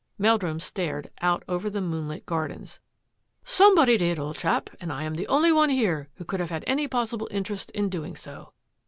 Meldrum stared out over the moonlit gardens. " Somebody did, old chap, and I am the only one here who could have had any possible interest in doing so.